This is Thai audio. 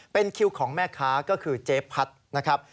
เป็นคิวของแม่ค้าก็คือเจ๊พัดนะครับ